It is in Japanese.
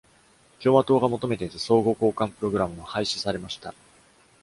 共和党が求めていた相互交換プログラムは廃止されました。